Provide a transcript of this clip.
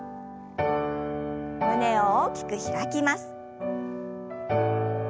胸を大きく開きます。